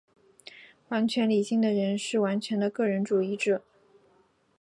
完全理性的人是完全的个人主义者。